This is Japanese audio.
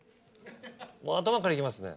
頭からいきますね。